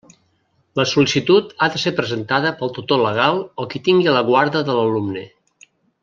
La sol·licitud ha de ser presentada pel tutor legal o qui tingui la guarda de l'alumne.